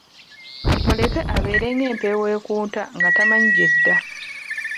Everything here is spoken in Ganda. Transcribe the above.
Muleke abeere ng'empewo ekunta nga temanyi gy'edda.